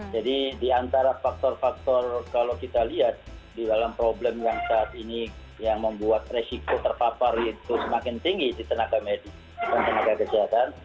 jadi di antara faktor faktor kalau kita lihat di dalam problem yang saat ini yang membuat resiko terpapar itu semakin tinggi di tenaga medis dan tenaga kesehatan